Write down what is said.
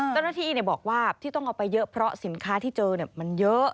เจ้าหน้าที่บอกว่าที่ต้องเอาไปเยอะเพราะสินค้าที่เจอมันเยอะ